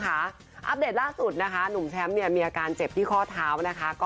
อัปเดตล่าสุดนะคะหนุ่มแชมป์มีอาการเจ็บที่ข้อเท้านะคะ